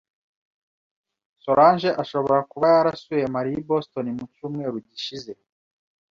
Solange ashobora kuba yarasuye Mariya i Boston mu cyumweru gishize.